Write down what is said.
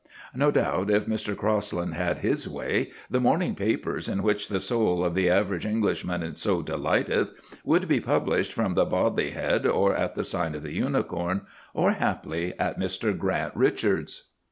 No doubt, if Mr. Crosland had his way, the morning papers, in which the soul of the average Englishman so delighteth, would be published from the Bodley Head or at the Sign of the Unicorn, or haply at Mr. Grant Richards's.